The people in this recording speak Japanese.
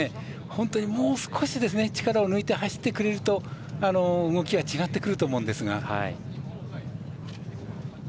本当にもう少し力を抜いて走ってくれると動きは違ってくると思うんですが。